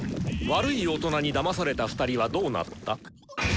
「悪い大人にだまされた２人はどうなった？」。